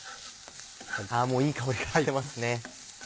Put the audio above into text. もういい香りがしてますね。